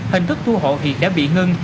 hình thức thu hộ hiện đã bị ngưng